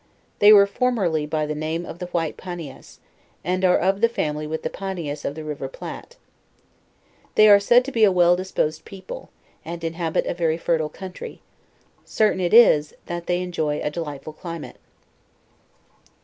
They were formerly by the name of the White Panias, and are of the family with the Panias of the river Platte. They are said to be a well disposed people, and inhabit a very fertile country; certain it is, that they en jay a delightful climate. LEWIS AND CLARKE.